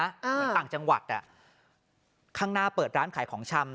เหมือนต่างจังหวัดข้างหน้าเปิดร้านขายของชำ